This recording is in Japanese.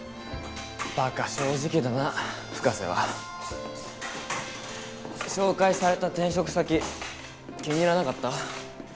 バカ正直だな深瀬は紹介された転職先気に入らなかった？